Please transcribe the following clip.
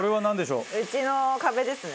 うちの壁ですね。